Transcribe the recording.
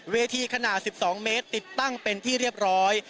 เวทีขนาด๑๒เมตรติดตั้งเป็นที่เรียบร้อย